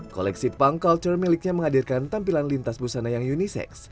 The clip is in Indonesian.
koleksi punk culture miliknya menghadirkan tampilan lintas busana yang unicex